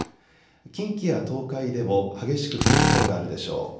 近畿や東海でも激しく降る所があるでしょう。